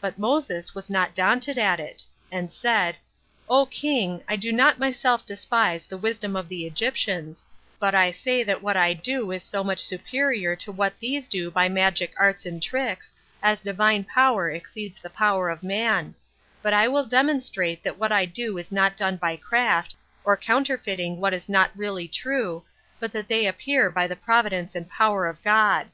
But Moses was not daunted at it; and said, "O king, I do not myself despise the wisdom of the Egyptians, but I say that what I do is so much superior to what these do by magic arts and tricks, as Divine power exceeds the power of man: but I will demonstrate that what I do is not done by craft, or counterfeiting what is not really true, but that they appear by the providence and power of God."